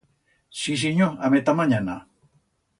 Sí, sinyor, a metat manyana.